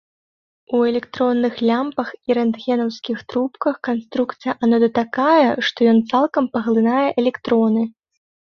У электронных лямпах і рэнтгенаўскіх трубках канструкцыя анода такая, што ён цалкам паглынае электроны.